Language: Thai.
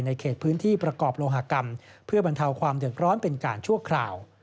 เขตพื้นที่ประกอบโลหกรรมเพื่อบรรเทาความเดือดร้อนเป็นการชั่วคราว